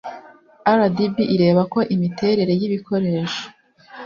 Rdb ireba ko imiterere y ibikoresho